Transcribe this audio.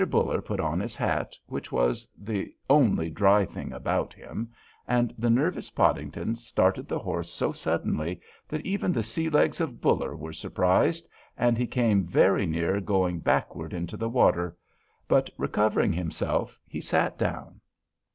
Buller put on his hat, which was the only dry thing about him, and the nervous Podington started the horse so suddenly that even the sea legs of Buller were surprised, and he came very near going backward into the water; but recovering himself, he sat down.